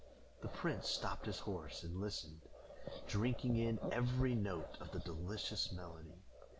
The prince stopped his horse and listened, drinking in every note of the delicious melody.